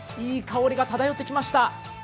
いい香りが漂ってきました。